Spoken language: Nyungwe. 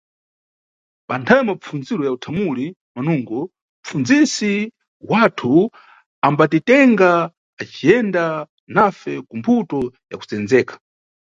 Panthawe ya mapfundzo ya uthamuli manungo, mʼpfundzisi wathu ambatitenga aciyenda nafe kumbuto ya kusendzeka.